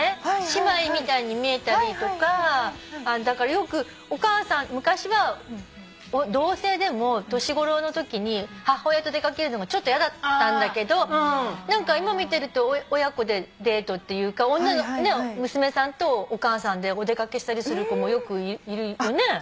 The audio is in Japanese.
だからよく昔は同性でも年頃のときに母親と出掛けるのがちょっと嫌だったんだけど何か今見てると親子でデートっていうか娘さんとお母さんでお出掛けしたりする子もよくいるよね？